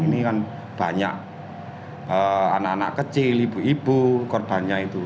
ini kan banyak anak anak kecil ibu ibu korbannya itu